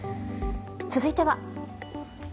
続いては。